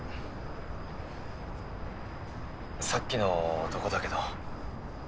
さっきの男だけど。